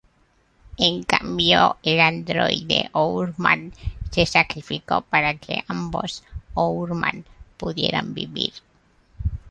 En cambio, el androide Hourman se sacrificó para que ambos Hourman pudieran vivir.